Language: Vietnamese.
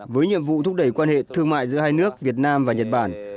với nhiệm vụ thúc đẩy quan hệ thương mại giữa hai nước việt nam và nhật bản